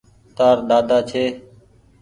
تآر ۮاۮا ڇي۔